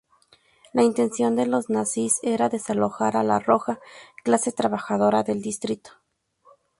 La intención de los nazis era desalojar a la "roja" clase trabajadora del distrito.